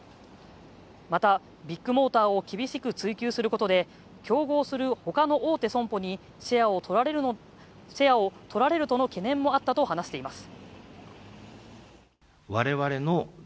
また、ビッグモーターを厳しく追及することで競合するほかの大手損保にシェアをとられるとの懸念もあったと話しています。